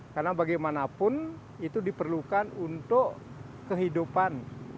karena bagaimanapun itu diperlukan untuk kehidupan